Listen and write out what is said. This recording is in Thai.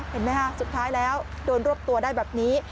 เห็นไหมฮะสุดท้ายแล้วโดนรวบตัวได้แบบนี้